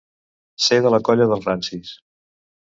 Ser de la colla dels rancis.